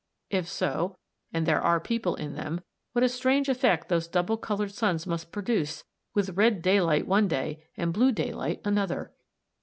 If so, and there are people in them, what a strange effect those double coloured suns must produce with red daylight one day and blue daylight another!